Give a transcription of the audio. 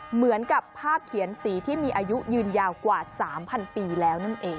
เหมือนกับภาพเขียนสีที่มีอายุยืนยาวกว่า๓๐๐ปีแล้วนั่นเอง